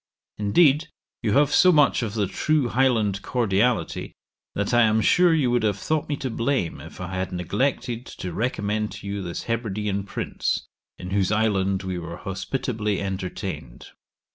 Indeed, you have so much of the true Highland cordiality, that I am sure you would have thought me to blame if I had neglected to recommend to you this Hebridean prince, in whose island we were hospitably entertained.